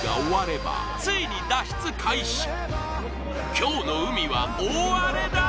今日の海は大荒れだー！